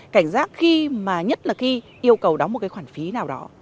cảnh giác khi mà nhất là khi yêu cầu đóng một cái khoản phí nào đó